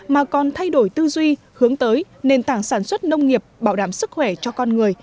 mà còn thay đổi tư duy hướng tới nền tảng sản xuất nông nghiệp bảo đảm sức khỏe cho con người